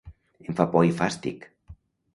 Em fa por i fàstic.